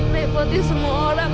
merepotin semua orang